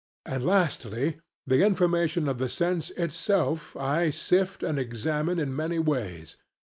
And lastly, the information of the sense itself I sift and examine in many ways.